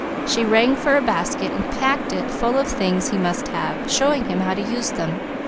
She rang for a basket and packed it full of things he must have, showing him how to use them.